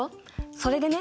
それでね